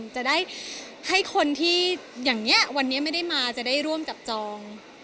จะได้ให้คนที่อย่างนี้วันนี้ไม่ได้มาจะได้ร่วมจับจอง